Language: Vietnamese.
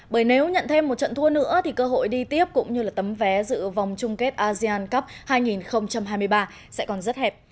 bởi nếu nhận thêm một trận thua nữa thì cơ hội đi tiếp cũng như là tấm vé dự vòng chung kết asean cup hai nghìn hai mươi ba sẽ còn rất hẹp